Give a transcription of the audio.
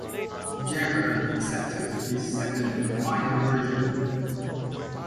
Jagger accepted his second and final version.